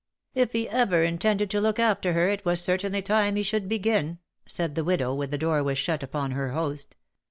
^^If he ever intended to look after her it was certainly time he should begin/' said the widow, when the door was shut upon her host.